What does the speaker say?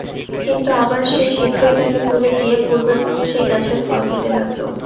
কিন্তু আবার সে শীঘ্রই তাকে ভুলে গিয়ে পূর্বের মত সেই গাছের ফল খেতে লাগলো।